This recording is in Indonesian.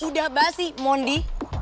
udah basi mondi